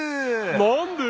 なんで？